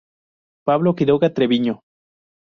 Pablo Quiroga Treviño.